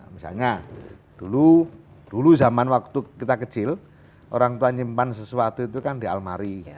misalnya dulu zaman waktu kita kecil orang tua nyimpan sesuatu itu kan di almari